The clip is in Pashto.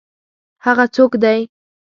هغه څوک دی؟